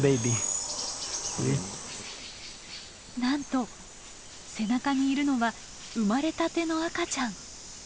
なんと背中にいるのは生まれたての赤ちゃん。